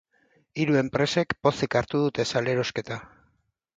Hiru enpresek pozik hartu dute salerosketa.